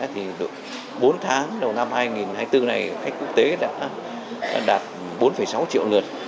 thì bốn tháng đầu năm hai nghìn hai mươi bốn này khách quốc tế đã đạt bốn sáu triệu lượt